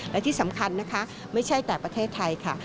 และที่สำคัญนะคะไม่ใช่แต่ประเทศไทยค่ะ